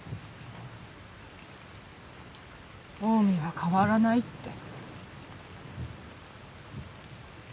オウミは変わらないって。